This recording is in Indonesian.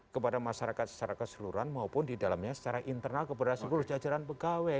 kepada masyarakat secara keseluruhan maupun di dalamnya secara internal kepada seluruh jajaran pegawai